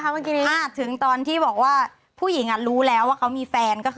ตอนที่บางทีจะพูดเก่งอย่างนี้เลย